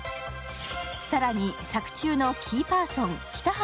更に、作中のキーパーソン北原